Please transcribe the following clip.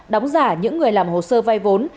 đóng giả những người làm hồ sơ vay vốn